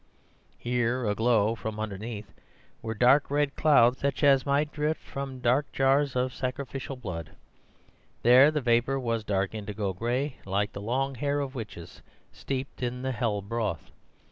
Here, aglow from underneath, were dark red clouds, such as might drift from dark jars of sacrificial blood; there the vapour was dark indigo gray, like the long hair of witches steeped in the hell broth.